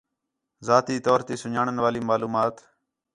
ذاتی طور تی سُن٘ڄاݨن والی معلومات